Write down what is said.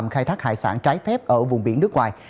khai thác hải sản trái phép ở vùng biển nước ngoài